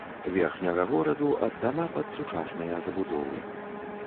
Верхняга гораду аддана пад сучасныя забудовы.